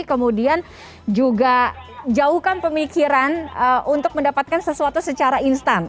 kemudian juga jauhkan pemikiran untuk mendapatkan sesuatu secara instan